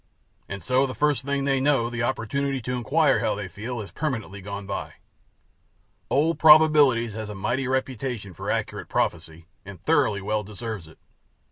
And so the first thing they know the opportunity to inquire how they feel has permanently gone by. Old Probabilities has a mighty reputation for accurate prophecy, and thoroughly well deserves it.